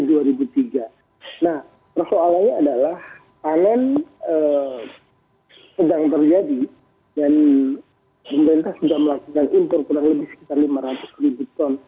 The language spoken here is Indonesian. nah persoalannya adalah panen sedang terjadi dan pemerintah sudah melakukan impor kurang lebih sekitar lima ratus ribu ton